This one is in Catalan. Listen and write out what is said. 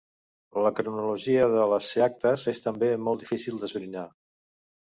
La cronologia de les sceattas és també molt difícil d'esbrinar.